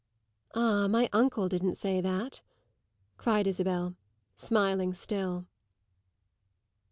"Ah, my uncle didn't say that!" cried Isabel, smiling still.